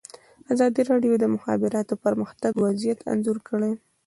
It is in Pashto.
ازادي راډیو د د مخابراتو پرمختګ وضعیت انځور کړی.